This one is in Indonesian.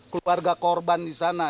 keluarga korban disana